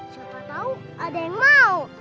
siapa tahu ada yang mau